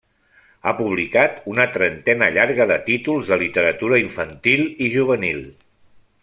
Ha publicat una trentena llarga de títols de literatura infantil i juvenil.